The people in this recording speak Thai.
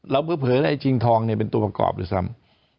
แล้วเผลอจริงทองเนี่ยเป็นตัวประกอบหรือซ้ำ